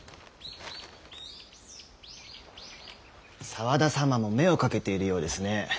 沢田様も目をかけているようですね。